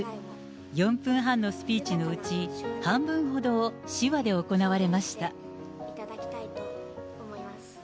４分半のスピーチのうち、半分ほどを手話で行われました。